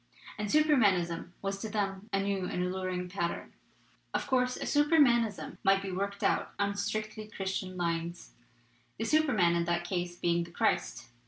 And Supermanism was to them a new and alluring pattern. "Of course a Supermanism might be worked out on strictly Christian lines, the Superman in that case being the Christ.